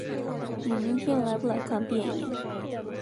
你明天来不来看电影？